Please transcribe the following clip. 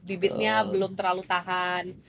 bibitnya belum terlalu tahan